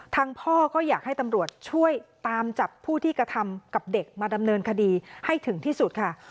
พ่อก็อยากให้ตำรวจช่วยตามจับผู้ที่กระทำกับเด็กมาดำเนินคดีให้ถึงที่สุดค่ะ